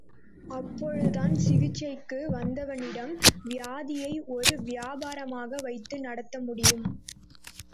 அப்பொழுதுதான், சிகிச்சைக்கு வந்தவனிடம் வியாதியை ஒரு விபாபாரமாக வைத்து நடத்த முடியும்.